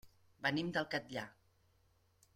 Venim del Catllar.